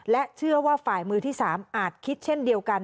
เชื่อว่าฝ่ายมือที่๓อาจคิดเช่นเดียวกัน